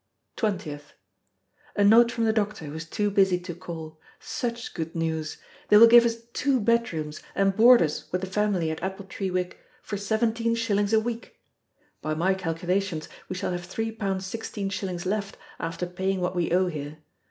20th. A note from the doctor, who is too busy to call. Such good news! They will give us two bedrooms, and board us with the family at Appletreewick for seventeen shillings a week. By my calculations, we shall have three pounds sixteen shillings left, after paying what we owe here.